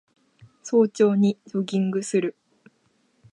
早朝にジョギングする